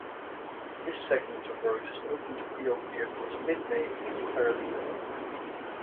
This segment of road is open to wheeled vehicles mid-May through early November.